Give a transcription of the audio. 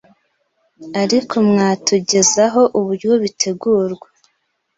Arko mwatugezaho uburyo bitegurwa